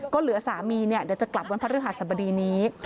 ก็เหลือสามีเดี๋ยวจะกลับบนพระฤหาสบดีนี้